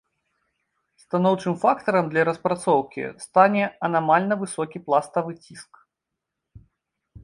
Станоўчым фактарам для распрацоўкі стане анамальна высокі пластавы ціск.